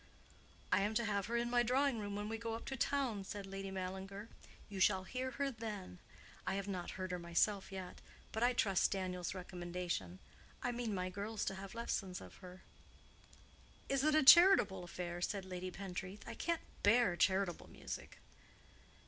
"I am to have her in my drawing room when we go up to town," said Lady Mallinger. "You shall hear her then. I have not heard her myself yet; but I trust Daniel's recommendation. I mean my girls to have lessons of her." "Is it a charitable affair?" said Lady Pentreath. "I can't bear charitable music."